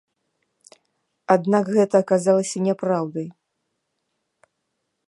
Аднак гэта аказалася няпраўдай.